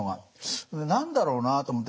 それで何だろうなと思って。